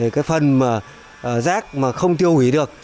cái phần rác mà không tiêu hủy được